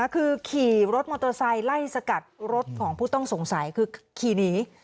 คือขี่รถมอเตอร์ไซค์ไล่สกัดรถของผู้ต้องสงสัยคือขี่หนี